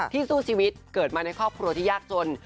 สู้ชีวิตเกิดมาในครอบครัวที่ยากจน